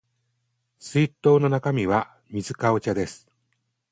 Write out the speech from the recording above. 水筒の中身は水かお茶です